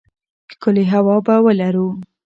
ښکلې هوا به ولرو.